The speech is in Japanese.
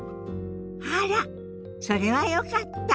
あらそれはよかった。